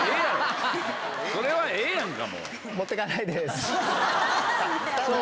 それはええやんか！